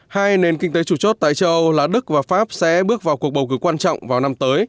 hai nền kinh tế chủ chốt tại châu âu là đức và pháp sẽ bước vào cuộc bầu cử quan trọng vào năm tới